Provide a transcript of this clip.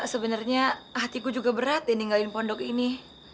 sebenernya hatiku juga berat ya tinggal di pondok ini